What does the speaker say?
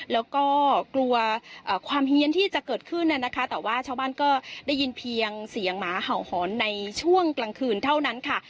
แล้วก็กลัวความเฮียนที่จะเกิดขึ้นนะคะแต่ว่าชาวบ้านก็ได้ยินเพียงเสียงหมาเห่าหอนในช่วงกลางคืนเท่านั้นค่ะ